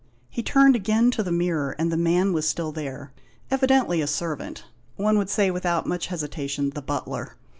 He turned again to the mirror, and the man was still there — evidently a servant — one would say without much hesitation, the butler.